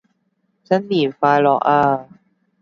新年快樂啊